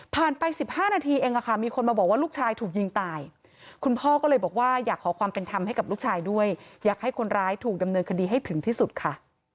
ไป๑๕นาทีเองมีคนมาบอกว่าลูกชายถูกยิงตายคุณพ่อก็เลยบอกว่าอยากขอความเป็นธรรมให้กับลูกชายด้วยอยากให้คนร้ายถูกดำเนินคดีให้ถึงที่สุดค่ะ